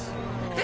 え？